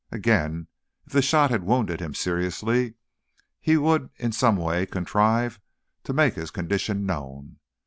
Again, if the shot had wounded him seriously, he would in some way contrive to make his condition known.